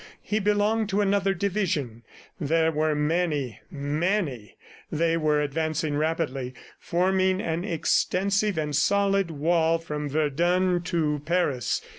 He belonged to another division. There were many ... many! They were advancing rapidly, forming an extensive and solid wall from Verdun to Paris.